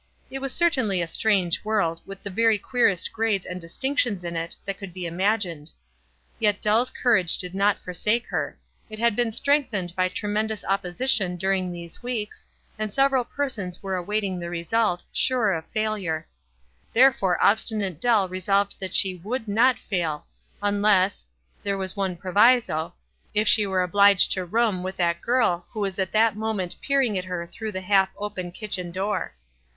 It was certainly a strange world, with the very queerest grades and distinctions in it that could be imagined. Yet Dell's courage did not forsake her ; it had been strengthened by tremendous opposition during these weeks, and several persons were awaiting the result, sure of failure ; therefore obstinate Dell resolved WISE AND OTHERWISE. 305 that she would not fail, unless — there was one proviso — if she were obliged to room with that girl who was at that moment peering at her through the half open kitchen door.